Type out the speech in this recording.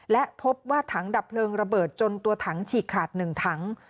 และพบว่าถังดับเพลิงระเบิดจนตัวถังฉีกขาด๑ถัง